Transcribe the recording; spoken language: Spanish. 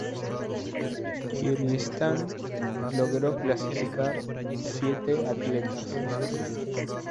Kirguistán logro clasificar siete atletas